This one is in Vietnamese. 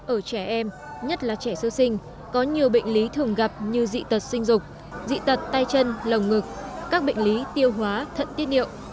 ở trẻ em nhất là trẻ sơ sinh có nhiều bệnh lý thường gặp như dị tật sinh dục dị tật tay chân lồng ngực các bệnh lý tiêu hóa thận tiết điệu